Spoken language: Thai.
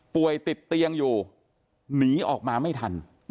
ติดเตียงอยู่หนีออกมาไม่ทัน